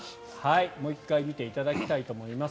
もう１回見ていただきたいと思います。